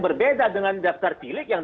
berbeda dengan daftar cilik yang